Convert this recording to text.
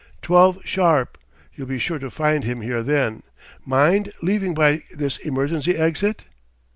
"Twelve sharp; you'll be sure to find him here then. Mind leaving by this emergency exit?"